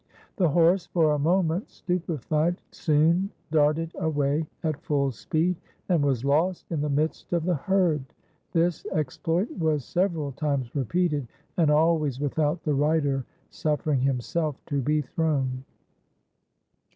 The horse, for a moment stupefied, soon darted away at full speed and was lost in the midst of the herd. This exploit was several times repeated, and always without the rider suffering himself to be thrown.